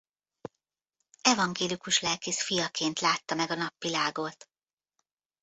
Evangélikus lelkész fiaként látta meg a napvilágot.